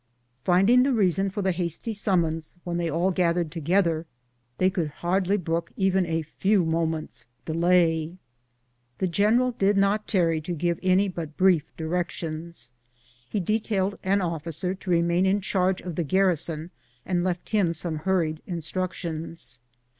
Finding the reason for the hasty summons when they all gathered together, they could hardly brook even a few moments' delay. The general did not tarry to give any but brief di rections. He detailed an officer to remain in charge of the garrison, and left him some hurried instructions.